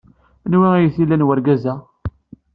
Anwa ay t-ilan wergaz-a?